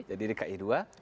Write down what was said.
jadi dki dua